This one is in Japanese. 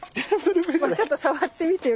ちょっと触ってみてよ